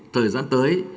thời gian tới